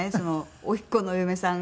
甥っ子のお嫁さんが。